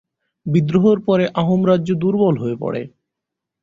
বিদ্রোহের পরে আহোম রাজ্য দুর্বল হয়ে পড়ে।